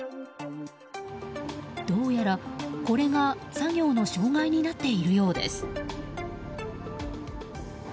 どうやら、これが作業の障害になっているようです。